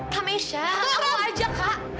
kamesha aku ajak kak